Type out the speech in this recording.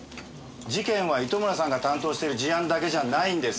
事件は糸村さんが担当している事案だけじゃないんです。